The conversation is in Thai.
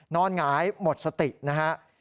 นอนหงายหมดสตินะครับ